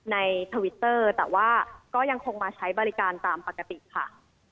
ทวิตเตอร์แต่ว่าก็ยังคงมาใช้บริการตามปกติค่ะ